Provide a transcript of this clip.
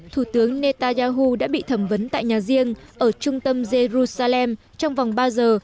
thủ tướng netanyahu đã bị thẩm vấn tại nhà riêng ở trung tâm jerusalem trong vòng ba giờ